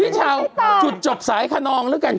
พี่เช้าจุดจบสายขนองแล้วกัน